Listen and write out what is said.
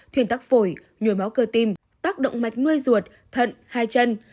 thuyền tắc phổi nhồi máu cơ tim tác động mạch nuôi ruột thận hai chân